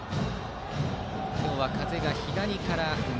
今日は風が左から右。